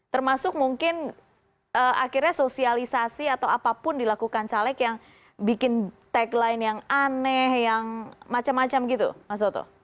termasuk mungkin akhirnya sosialisasi atau apapun dilakukan caleg yang bikin tagline yang aneh yang macam macam gitu mas soto